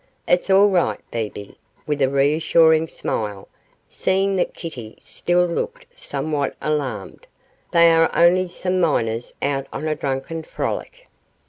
It's all right, Bebe,' with a reassuring smile, seeing that Kitty still looked somewhat alarmed, 'they are only some miners out on a drunken frolic.